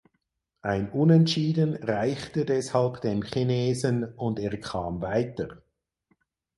Ein Unentschieden reichte deshalb dem Chinesen und er kam weiter.